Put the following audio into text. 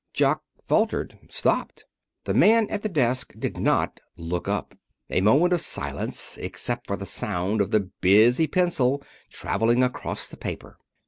Jock faltered, stopped. The man at the desk did not look up. A moment of silence, except for the sound of the busy pencil traveling across the paper.